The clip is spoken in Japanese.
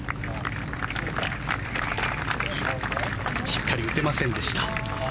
しっかり打てませんでした。